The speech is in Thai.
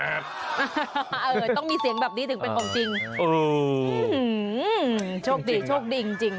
โอ้โชคดีโชคดีจริง